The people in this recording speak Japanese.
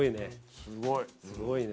すごいね。